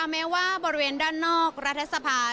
แม้ว่าบริเวณด้านนอกรัฐสภา